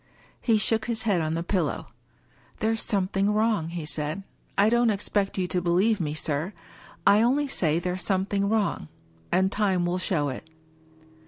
He shook his head on the pillow. "There's something wrong," he said. " I don't expect you to believe me, sir. I only say there's something wrong — ^and time will show it."